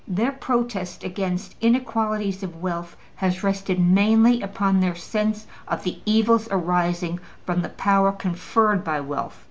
Their protest against Inequalities of wealth has rested mainly upon their sense of the evils arising from the power conferred by wealth.